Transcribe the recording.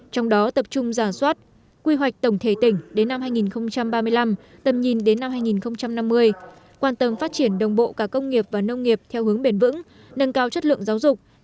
trong đó tập trung giả soát quy hoạch tổng thể tỉnh đến năm hai nghìn ba mươi năm tầm nhìn đến năm hai nghìn năm mươi quan tâm phát triển đồng bộ cả công nghiệp và nông nghiệp theo hướng bền vững nâng cao chất lượng giáo dục